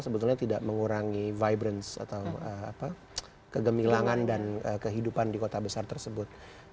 sebetulnya tidak mengurangi vibrance atau kegemilangan dan kehidupan di kota besar tersebut